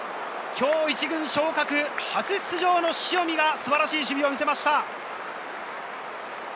今日１軍昇格、初出場の塩見が素晴らしい守備を見せました！